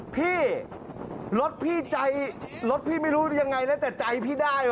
พี่รถพี่ใจรถพี่ไม่รู้ยังไงนะแต่ใจพี่ได้